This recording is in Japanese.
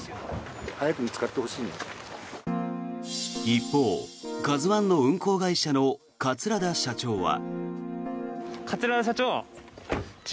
一方、「ＫＡＺＵ１」の運航会社の桂田社長は。